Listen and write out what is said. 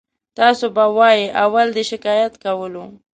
تاسې به وایئ اول دې شکایت کولو.